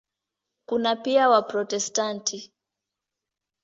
Kuna pia Waprotestanti.